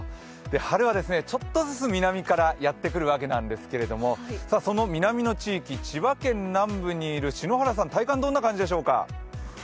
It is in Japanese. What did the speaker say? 春はちょっとずつ南からやってくるわけなんですけどその南の地域、千葉県南部にいる篠原さん、体感どんな感じでしょうか